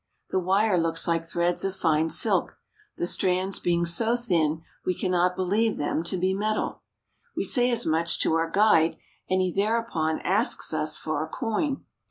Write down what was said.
The wire looks like threads of fine silk, the strands being so thin we cannot believe them to be metal. We say as much to our guide, and he thereupon asks us for a coin.